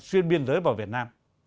xuyên biên giới vào việt nam